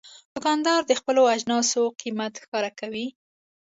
دوکاندار د خپلو اجناسو قیمت ښکاره کوي.